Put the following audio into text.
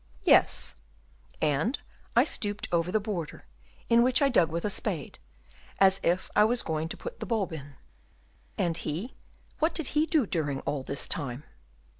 "Yes, and I stooped over the border, in which I dug with a spade, as if I was going to put the bulb in." "And he, what did he do during all this time?"